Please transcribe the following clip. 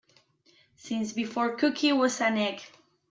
Since before cocky was an egg.